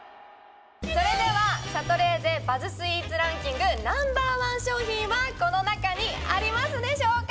それではシャトレーゼバズスイーツランキングＮｏ．１商品はこの中にありますでしょうか？